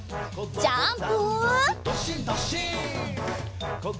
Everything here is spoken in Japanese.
ジャンプ！